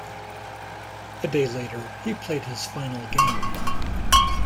A day later, he played his final game.